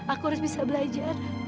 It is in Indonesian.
aku harus bisa belajar